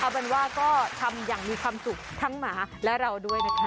เอาเป็นว่าก็ทำอย่างมีความสุขทั้งหมาและเราด้วยนะคะ